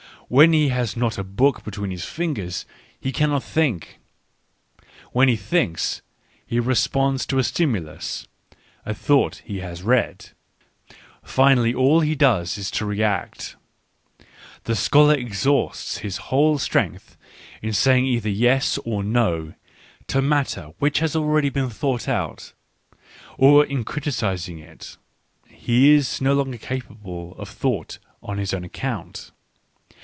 When he has not a book between his fingers he cannot think. When he thinks, he responds to a stimulus (a thought he has read), — finally all he does is to react. The scholar exhausts his whole strength in saying either " yes " or " no " to matter which has already been thought out, or in criticis ing it — he is no longer capable of thought on his own account.